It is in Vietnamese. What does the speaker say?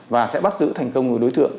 và sẽ bắt giữ thành công người đối tượng